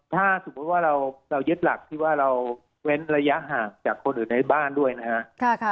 ถ้าสมมุติว่าเรายึดหลักที่ว่าเราเว้นระยะห่างจากคนอื่นในบ้านด้วยนะครับ